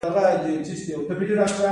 غم هم د ژوند برخه ده